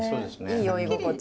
いい酔い心地。